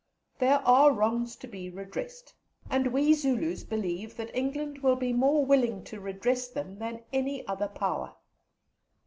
There are wrongs to be redressed, and we Zulus believe that England will be more willing to redress them than any other Power.